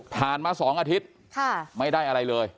มา๒อาทิตย์ไม่ได้อะไรเลย